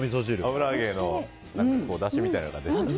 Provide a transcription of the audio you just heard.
油揚げのだしみたいなのが出てて。